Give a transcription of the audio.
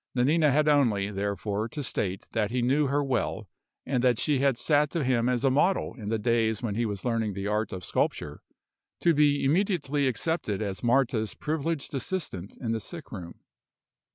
Nanina had only, therefore, to state that he knew her well, and that she had sat to him as a model in the days when he was learning the art of sculpture, to be immediately accepted as Marta's privileged assistant in the sick room.